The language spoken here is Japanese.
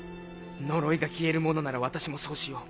呪いが消えるものなら私もそうしよう。